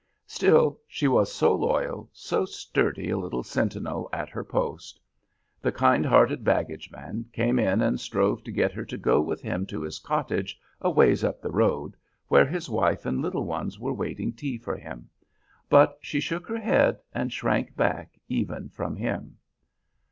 Still she was so loyal, so sturdy a little sentinel at her post. The kind hearted baggage man came in and strove to get her to go with him to his cottage "a ways up the road," where his wife and little ones were waiting tea for him; but she shook her head and shrank back even from him.